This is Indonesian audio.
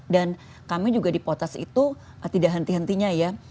dan kami juga di potas itu tidak henti hentinya ya